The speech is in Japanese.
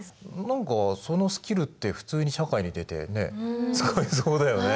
何かそのスキルって普通に社会に出てね使えそうだよね。